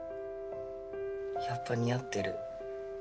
やっぱ似合ってる。